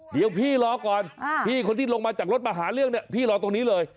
เดี๋ยวพี่รอก่อนพี่คนที่ลงมาจากรถมาหาเรื่องเนี่ยพี่รอตรงนี้เลย